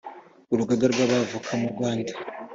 urugaga rw’ abavoka mu rwanda